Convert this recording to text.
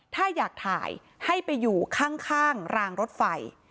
ถ้าอยากถ่ายให้ไปอยู่ข้างรางรถไฟ